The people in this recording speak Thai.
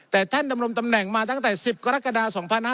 แต่ท่านดำรงตำแหน่งมาตั้งแต่๑๐กรกฎา๒๕๕๙